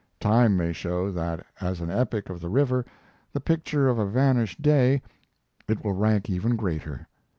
Time may show that as an epic of the river, the picture of a vanished day, it will rank even greater.